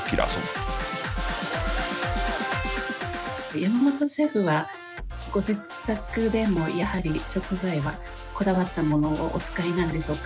山本シェフはご自宅でもやはり食材はこだわったものをお使いなんでしょうか？